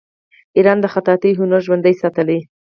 ایران د خطاطۍ هنر ژوندی ساتلی.